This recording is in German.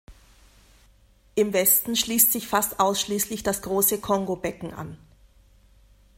Im Westen schließt sich fast ausschließlich das große Kongobecken an.